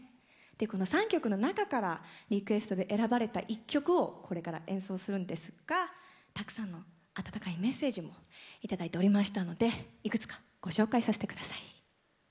この３曲の中からリクエストで選ばれた１曲をこれから演奏するんですがたくさんの温かいメッセージもいただいておりましたのでいくつかご紹介させてください。